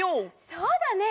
そうだね。